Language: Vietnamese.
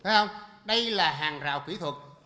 thấy không đây là hàng rào kỹ thuật